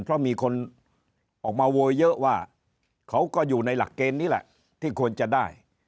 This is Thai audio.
เพราะมีคนออกมาโวยเยอะว่าเขาก็อยู่ในหลักเกณฑ์นี้แหละที่ควรจะได้